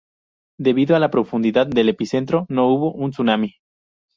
Debido a la profundidad del epicentro, no hubo un tsunami.